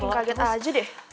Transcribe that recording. mami bikin kaget aja deh